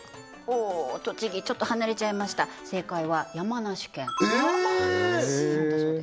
お栃木ちょっと離れちゃいました正解は山梨県なんだそうですえ！？